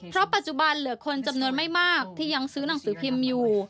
เพราะปัจจุบันเหลือคนจำนวนไม่มากที่ยังซื้อหนังสือพิมพ์อยู่